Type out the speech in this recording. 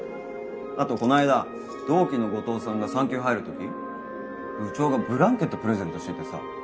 あとこないだ同期の後藤さんが産休入るとき部長がブランケットプレゼントしててさ。